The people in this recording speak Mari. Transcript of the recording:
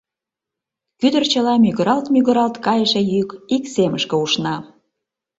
Кӱдырчыла мӱгыралт-мӱгыралт кайыше йӱк ик семышке ушна...